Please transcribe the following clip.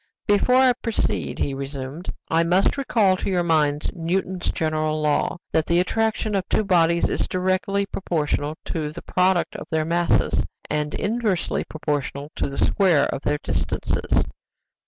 "Before I proceed," he resumed, "I must recall to your minds Newton's general law, 'that the attraction of two bodies is directly proportional to the product of their masses, and inversely proportional to the square of their distances.